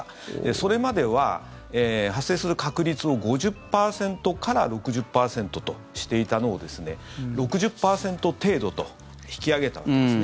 それまでは、発生する確率を５０％から６０％としていたのを６０％程度と引き上げたんですね。